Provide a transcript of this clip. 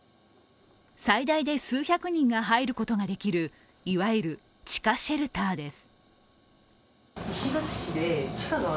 最大で数百人が入ることができるいわゆる、地下シェルターです。